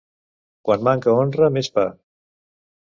Quan manca honra més pa.